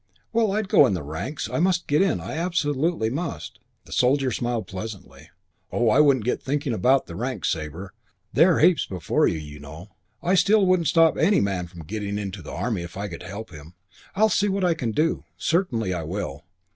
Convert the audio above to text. "Well, I'd go in the ranks. I must get in. I absolutely must." The soldier smiled pleasantly. "Oh, I wouldn't get thinking about the ranks, Sabre. There're heaps before you, you know. Still, I wouldn't stop any man getting into the Army if I could help him. I'll see what I can do. Certainly I will.